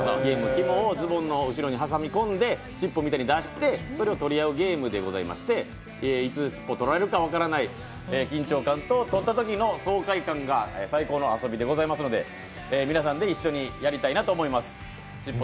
ひもをズボンの後ろに挟んで、それを取り合うゲームでございまして、いつしっぽを取られるか分からない緊張感と、取ったときの爽快感が最高の遊びでございますので皆さんで一緒にやりたいなと思います。